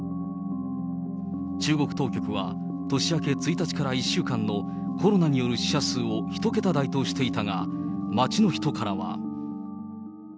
中国当局は、年明け１日から１週間のコロナによる死者数を１桁台としていたが、街の人からは。